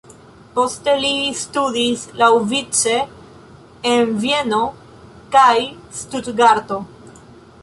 Poste li studis laŭvice en Vieno kaj Stutgarto.